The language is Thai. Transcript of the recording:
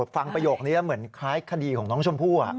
ประโยคนี้แล้วเหมือนคล้ายคดีของน้องชมพู่